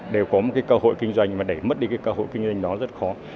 đều có một cơ hội kinh doanh mà để mất đi cơ hội kinh doanh đó rất khó